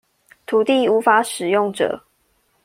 土地無法使用者